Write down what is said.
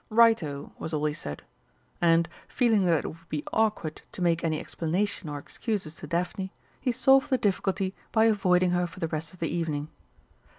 "Right oh!" was all he said, and, feeling that it would be awkward to make any explanation or excuses to Daphne, he solved the difficulty by avoiding her for the rest of the evening.